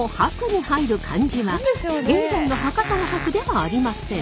現在の博多の博ではありません。